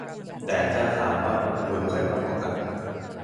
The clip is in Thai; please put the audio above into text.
แต่ถ้าถามว่าผมคุยกับใครมากกว่ากัน